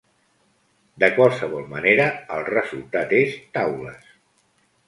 De qualsevol manera, el resultat és taules.